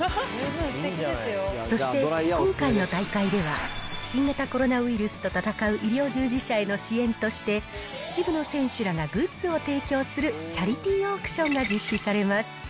そして今回の大会では、新型コロナウイルスと闘う医療従事者への支援として、渋野選手らがグッズを提供するチャリティーオークションが実施されます。